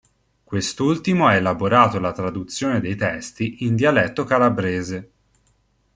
Quest'ultimo ha elaborato la traduzione dei testi in dialetto calabrese.